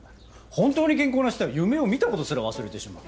本当に健康な人は夢を見た事すら忘れてしまう。